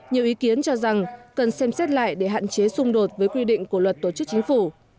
nhiều ý kiến cho rằng cần xem xét lại để hạn chế xung đột với quy định của luật tổ chức chính phủ